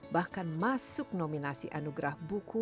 bahkan masuk nominasi anugerah buku